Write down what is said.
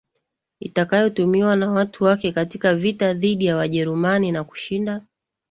itakayotumiwa na watu wake katika vita dhidi ya Wajerumani na kushinda